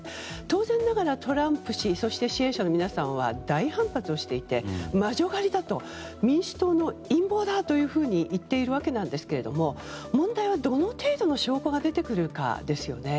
当然ながらトランプ氏、支援者の皆さんは大反発をしていて魔女狩りだと民主党の陰謀だというふうに言っているんですが問題は、どの程度の証拠が出てくるかですよね。